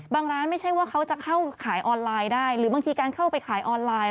ร้านไม่ใช่ว่าเขาจะเข้าขายออนไลน์ได้หรือบางทีการเข้าไปขายออนไลน์